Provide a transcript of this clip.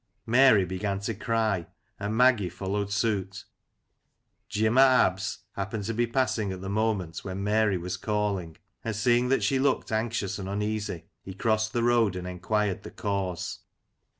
Mary began to cry, and Maggie followed suit. Jim o' Abb's happened to be passing at the moment when Mary was calling, and seeing that she looked anxious and uneasy, he crossed the road, and enquired the cause.